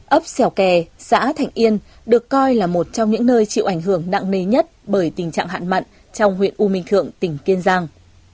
ấp xẻo kè xã thạnh yên được coi là một trong những nơi chịu ảnh hưởng nặng nề nhất bởi tình trạng hạn mặn trong huyện u minh thượng tỉnh kiên giang